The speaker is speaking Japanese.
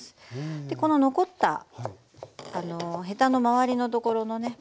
でこの残ったヘタの周りのところのね